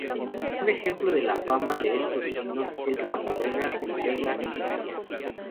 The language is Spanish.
Un ejemplo de la fama de estos vinos es la bodega Vega Sicilia.